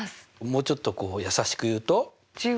もうちょっとこう優しく言うと？